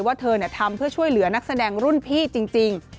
ว่าเธอทำเพื่อช่วยเหลือนักแสดงรุ่นพี่จริง